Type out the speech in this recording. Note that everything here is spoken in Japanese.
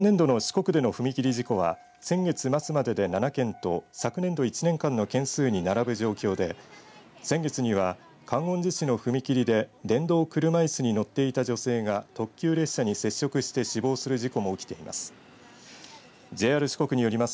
今年度の四国での踏切事故は先月末までで７件と昨年度１年間の件数に並ぶ状況で先月には観音寺市の踏切で電動車いすに乗っていた女性が特急列車に接触して死亡する事故も起きています。